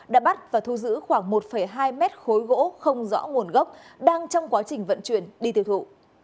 đã bắt và thu giữ khoảng một hai mét khối gỗ không rõ nguồn gốc đang trong quá trình vận chuyển đi tiêu thụ